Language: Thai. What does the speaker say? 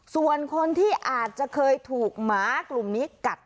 ส่วนคนที่อาจจะเคยถูกหมากลุ่มนี้กัด